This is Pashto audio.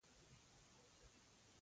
لومړی پرانیستي تمدني لاره خپله کړه